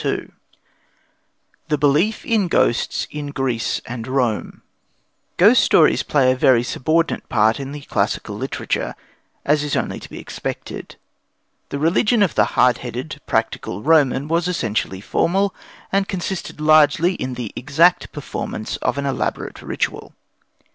] II THE BELIEF IN GHOSTS IN GREECE AND ROME Ghost stories play a very subordinate part in classical literature, as is only to be expected. The religion of the hard headed, practical Roman was essentially formal, and consisted largely in the exact performance of an elaborate ritual.